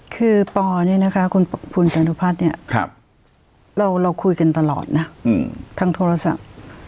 คือปอเนี่ยนะคะคุณจานุพัฒน์เนี่ยเราคุยกันตลอดนะทางโทรศัพท์